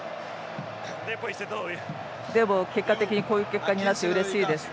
でも結果的にこういう結果になってうれしいです。